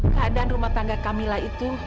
keadaan rumah tangga camilla itu